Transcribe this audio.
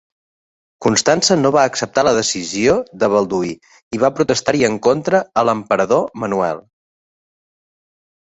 Constança no va acceptar la decisió de Balduí i va protestar-hi en contra a l'emperador Manuel.